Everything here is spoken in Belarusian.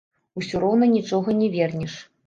Усё роўна нічога не вернеш.